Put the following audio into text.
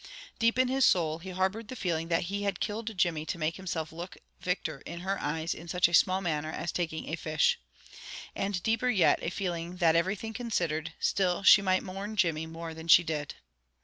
Deep in his soul he harbored the feeling that he had killed Jimmy to make himself look victor in her eyes in such a small matter as taking a fish. And deeper yet a feeling that, everything considered, still she might mourn Jimmy more than she did.